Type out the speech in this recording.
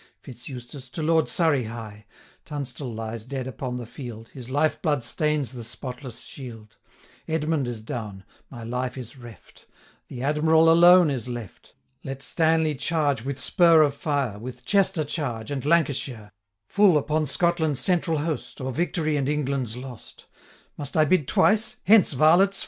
Fitz Eustace, to Lord Surrey hie; Tunstall lies dead upon the field, His life blood stains the spotless shield: 885 Edmund is down; my life is reft; The Admiral alone is left. Let Stanley charge with spur of fire, With Chester charge, and Lancashire, Full upon Scotland's central host, 890 Or victory and England's lost. Must I bid twice? hence, varlets!